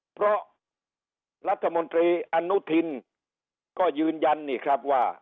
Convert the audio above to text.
เพราะรัฐมนตรีอนุทินก็ยืนยันนี่ครับว่า